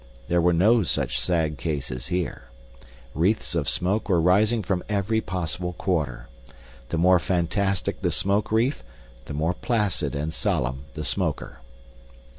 There were no such sad cases here. Wreaths of smoke were rising from every possible quarter. The more fantastic the smoke wreath, the more placid and solemn the smoker.